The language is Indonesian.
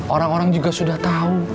orang orang juga sudah tahu